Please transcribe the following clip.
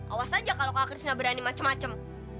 awas aja kalau kak krishna berani macem macem